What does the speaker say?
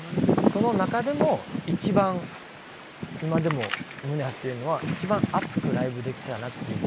その中でも一番今でも胸張って言えるのは一番熱くライブできたなっていう僕たちは。